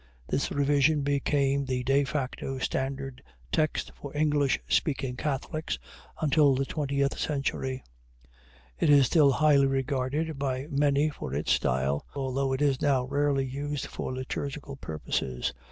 This revision became the 'de facto' standard text for English speaking Catholics until the twentieth century. It is still highly regarded by many for its style, although it is now rarely used for liturgical purposes.